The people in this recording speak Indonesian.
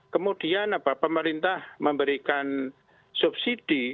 kemudian pemerintah memberikan subsidi